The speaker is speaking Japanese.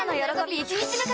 １日目から！！